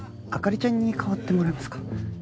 灯ちゃんに代わってもらえますか？